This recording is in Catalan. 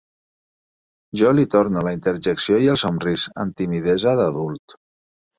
Jo li torno la interjecció i el somrís, amb timidesa d'adult.